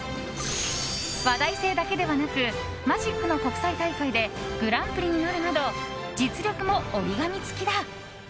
話題性だけではなくマジックの国際大会でグランプリとなるなど実力も折り紙付きだ。